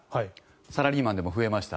サラリーマンでも増えました。